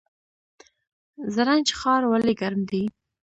زرنج ښار ولې ګرم دی؟